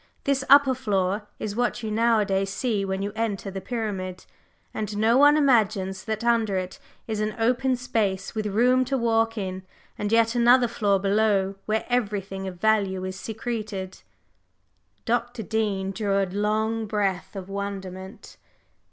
This upper floor is what you nowadays see when you enter the Pyramid, and no one imagines that under it is an open space with room to walk in, and yet another floor below, where everything of value is secreted." Dr. Dean drew a long breath of wonderment.